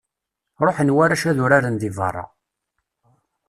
Ruḥen warrac ad uraren deg berra.